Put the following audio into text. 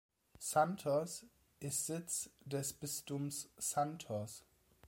Santos ist Sitz des Bistums Santos.